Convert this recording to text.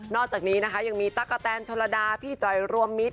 อกจากนี้นะคะยังมีตั๊กกะแตนชนระดาพี่จอยรวมมิตร